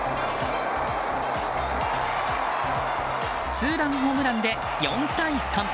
ツーランホームランで４対３。